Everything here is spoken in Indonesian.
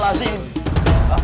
pak ei atu atu